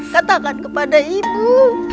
katakan kepada ibu